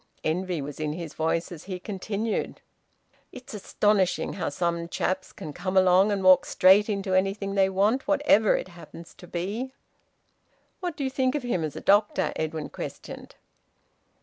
Envy was in his voice as he continued: "It's astonishing how some chaps can come along and walk straight into anything they want whatever it happens to be!" "What do you think of him as a doctor?" Edwin questioned.